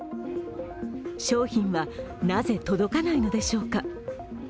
商品はなぜ届かないのでしょうか。